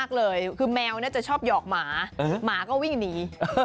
คือแมวจะชอบหยอกหมาหมาก็วิ่งหนี